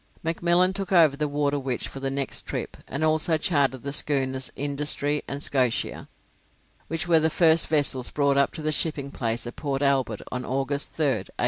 McMillan took over the 'Waterwitch' for the next trip, and also chartered the schooners 'Industry' and 'Scotia', which were the first vessels brought up to the shipping place at Port Albert on August, 3rd, 1842.